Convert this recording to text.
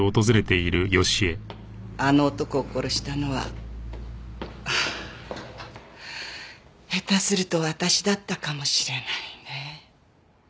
あの男を殺したのは下手すると私だったかもしれないね。